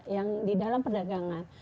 yang di dalam perdagangan